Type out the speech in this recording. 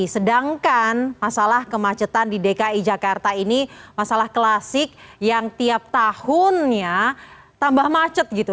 sedangkan masalah kemacetan di dki jakarta ini masalah klasik yang tiap tahunnya tambah macet gitu